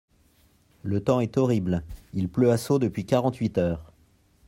Le temps est horrible, il pleut à seaux depuis quarante-huit heures.